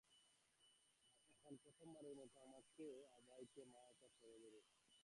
আর এখন, প্রথমবারের মতো, আমাকে আর ভাইকে মা একা ছেড়ে দেবে।